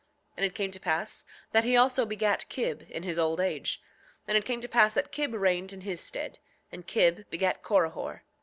7:3 And it came to pass that he also begat Kib in his old age. And it came to pass that Kib reigned in his stead; and Kib begat Corihor.